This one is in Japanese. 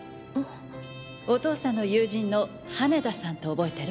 お父さんの友人の羽田さんって覚えてる？